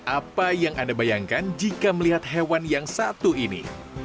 apa yang anda bayangkan jika melihat hewan yang satu ini